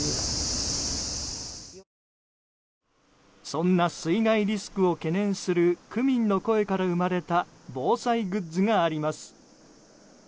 そんな水害リスクを懸念する区民の声から生まれた防災グッズがあります。